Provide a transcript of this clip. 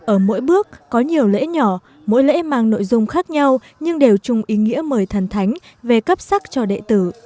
ở mỗi bước có nhiều lễ nhỏ mỗi lễ mang nội dung khác nhau nhưng đều chung ý nghĩa mời thần thánh về cấp sắc cho đệ tử